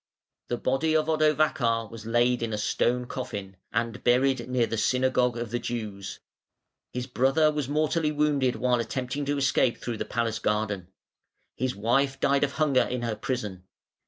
The body of Odovacar was laid in a stone coffin, and buried near the synagogue of the Jews. His brother was mortally wounded while attempting to escape through the palace garden. His wife died of hunger in her prison.